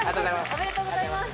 おめでとうございます。